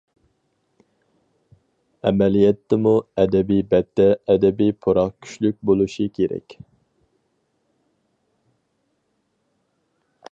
ئەمەلىيەتتىمۇ ئەدەبىي بەتتە ئەدەبىي پۇراق كۈچلۈك بولۇشى كېرەك.